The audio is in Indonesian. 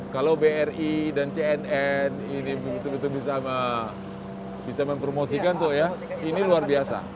kalau bri dan cnn ini betul betul bisa mempromosikan tuh ya ini luar biasa